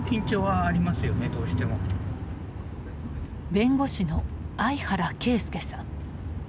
弁護士の相原啓介さん。